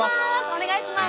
お願いします。